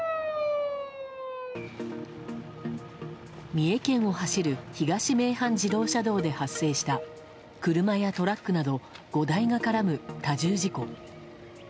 三重県を走る東名阪自動車道で発生した車やトラックなど５台が絡む多重事故。